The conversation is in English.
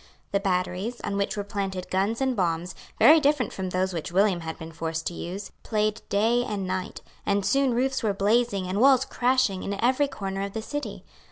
The batteries, on which were planted guns and bombs, very different from those which William had been forced to use, played day and night; and soon roofs were blazing and walls crashing in every corner of the city.